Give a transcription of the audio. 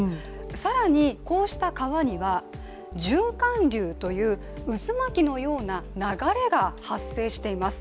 更にこうした川には、循環流という渦巻きのような流れが発生しています。